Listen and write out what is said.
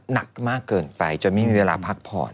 หนักมากเกินไปจนไม่มีเวลาพักผ่อน